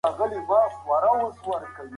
د دولتونو د زوال لاملونه څه دي؟